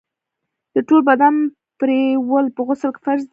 د ټول بدن پرېولل په غسل کي فرض دي.